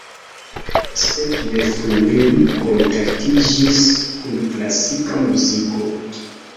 Sekve frue li kontaktiĝis kun klasika muziko.